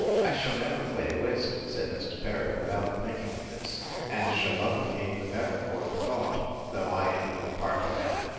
I shall never play whist, said Mr. Perry, without thinking of this, and shall love the game the better for the thought; though I am no party man.